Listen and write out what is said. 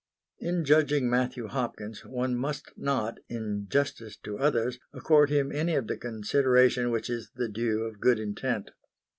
In judging Matthew Hopkins one must not, in justice to others, accord him any of the consideration which is the due of good intent.